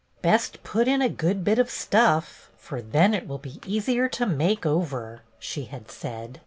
" Best put in a good bit of stuff, for then it will be easier to make over," she had said.